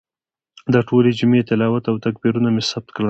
د ټولې جمعې تلاوت او تکبیرونه مې ثبت کړل.